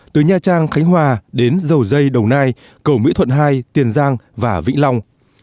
từ nha trang khánh hòa đến dầu dây đồng nai cầu mỹ thuận hai tiền giang và vĩnh long